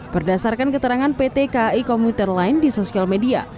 berdasarkan keterangan pt kai komuter line di sosial media